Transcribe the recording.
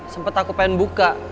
sempet aku pengen buka